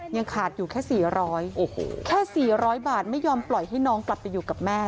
ยังขาดอยู่แค่๔๐๐แค่๔๐๐บาทไม่ยอมปล่อยให้น้องกลับไปอยู่กับแม่